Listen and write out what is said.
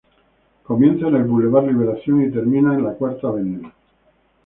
Comienza en el Boulevard Liberación y termina en la Cuarta Avenida.